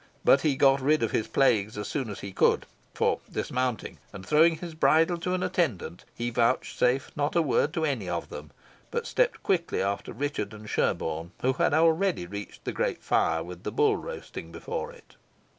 But he got rid of his plagues as soon as he could; for, dismounting and throwing his bridle to an attendant, he vouchsafed not a word to any of them, but stepped quickly after Richard and Sherborne, who had already reached the great fire with the bull roasting before it.